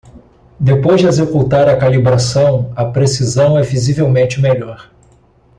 Depois de executar a calibração?, a precisão é visivelmente melhor.